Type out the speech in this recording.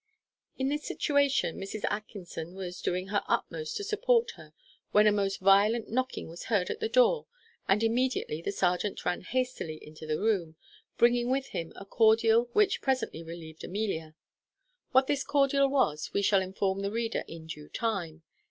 In this situation Mrs. Atkinson was doing her utmost to support her when a most violent knocking was heard at the door, and immediately the serjeant ran hastily into the room, bringing with him a cordial which presently relieved Amelia. What this cordial was, we shall inform the reader in due time.